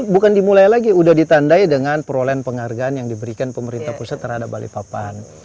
bukan dimulai lagi udah ditandai dengan perolehan penghargaan yang diberikan pemerintah pusat terhadap balikpapan